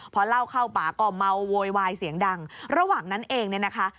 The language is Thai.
พอเล่าเข้าป่าก็เมาโวยวายเสียงดังระหว่างนั้นเองเนี่ยนะคะ